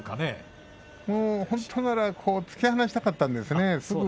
本当なら突き放したかったんですね。